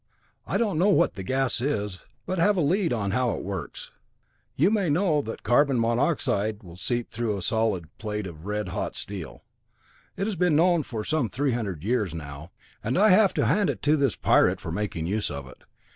"I don't know what the gas is, but have a lead on how it works. You may know that carbon monoxide will seep through a solid plate of red hot steel. That has been known for some three hundred years now, and I have to hand it to this Pirate for making use of it.